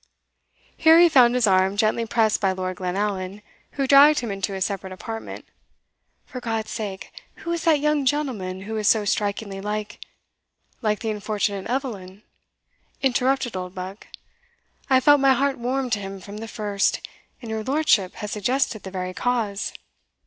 Here he found his arm gently pressed by Lord Glenallan, who dragged him into a separate apartment. "For God's sake, who is that young gentleman who is so strikingly like" "Like the unfortunate Eveline," interrupted Oldbuck. "I felt my heart warm to him from the first, and your lordship has suggested the very cause."